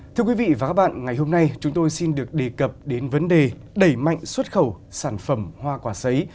thưa quý vị và các bạn ngày hôm nay chúng tôi xin được đề cập đến vấn đề đẩy mạnh xuất khẩu sản phẩm hoa quả xấy